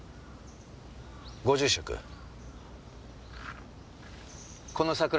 ご住職この桜